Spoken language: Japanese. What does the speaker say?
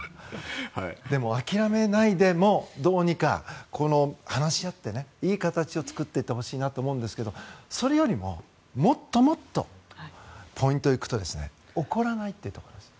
でも諦めないでもどうにか話し合っていい形を作っていってほしいなと思うんですがそれよりももっともっとポイントに行くと怒らないってところです。